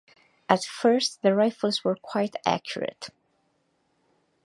At first the rifles were quite accurate.